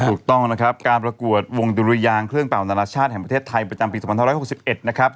ถูกต้องนะครับการประกวดวงดุรยางเครื่องเป่านานาชาติแห่งประเทศไทยประจำปี๒๕๖๑นะครับ